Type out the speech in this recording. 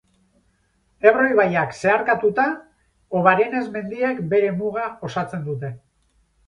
Ebro ibaiak zeharkatuta, Obarenes mendiek bere muga osatzen dute.